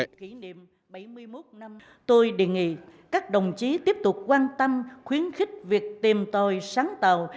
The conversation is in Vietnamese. kỷ niệm bảy mươi một năm tôi đề nghị các đồng chí tiếp tục quan tâm khuyến khích việc tìm tòi sáng tạo